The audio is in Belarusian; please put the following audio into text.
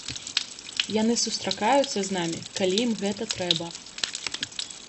Яны сустракаюцца з намі, калі ім гэта трэба.